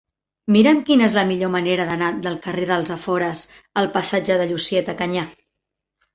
Mira'm quina és la millor manera d'anar del carrer dels Afores al passatge de Llucieta Canyà.